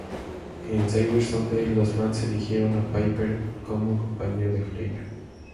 En "Cyber Sunday" los fans eligieron a Piper como compañero de Flair.